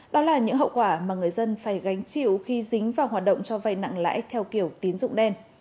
đó là những hậu quả mà người dân phải gánh chịu khi dính vào hoạt động cho vay nặng lãi theo kiểu tín dụng đen